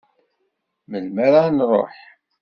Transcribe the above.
Melmi ara nruḥ.